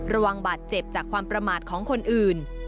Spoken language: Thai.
ระวังบาดเจ็บจากความประมาทของคนอื่น